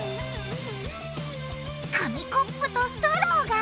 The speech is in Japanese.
紙コップとストローが！？